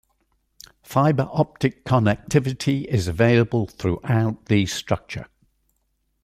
Fiber optic connectivity is available throughout the structure.